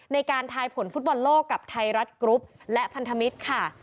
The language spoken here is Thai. ในการทายผลฟุตบอลโลกกับไทยรัฐกรุ๊ปและพันธมิตรค่ะ